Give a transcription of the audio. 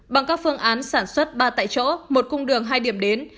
bằng các phương án sản xuất ba tại chỗ một cung đường hai điểm đến